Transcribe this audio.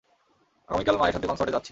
আগামীকাল মায়ের সাথে কনসার্টে যাচ্ছি।